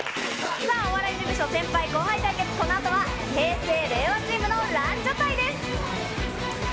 さあ、お笑い事務所、先輩後輩対決、このあとは平成・令和チームのランジャタイです。